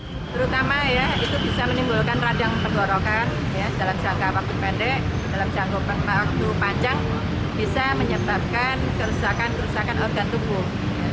terutama ya itu bisa menimbulkan radang penggorokan dalam jangka waktu pendek dalam jangka waktu panjang bisa menyebabkan kerusakan kerusakan organ tubuh